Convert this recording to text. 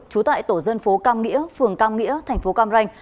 trú tại tổ dân phố cam nghĩa phường cam nghĩa thành phố cam ranh